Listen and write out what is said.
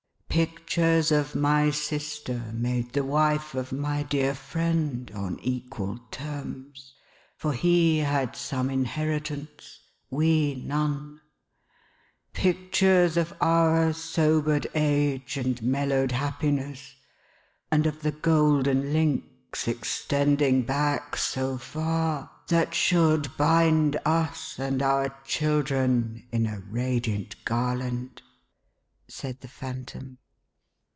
Pictures of my sister, made the wife of my dear friend, on equal terms— for he had some inheritance, we none — pictures of our sobered age and mellowed happiness, and of the golden links, extending back so far, that should bind us, and our children, in a radiant garland,1' said the Phantom.